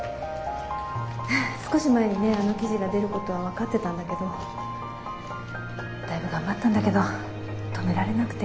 少し前にねあの記事が出ることは分かってたんだけどだいぶ頑張ったんだけど止められなくて。